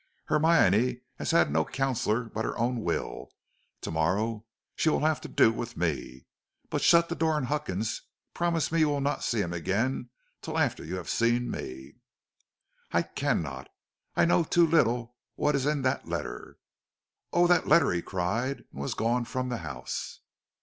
"Hermione has had no counsellor but her own will. To morrow she will have to do with me. But shut the door on Huckins; promise me you will not see him again till after you have seen me." "I cannot I know too little what is in that letter." "Oh, that letter!" he cried, and was gone from the house.